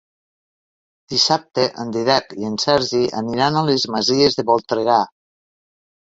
Dissabte en Dídac i en Sergi aniran a les Masies de Voltregà.